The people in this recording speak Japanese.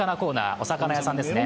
お魚屋さんですね。